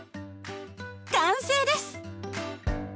完成です！